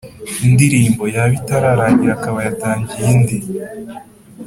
indirimbo, yaba itararangira akaba yatangiye indi